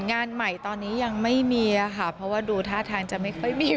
เพราะว่าอย่างนี้ค่ะต้องทุ่มเทเวลาให้กับงานเพลงอยากให้มันออกมาดีนะ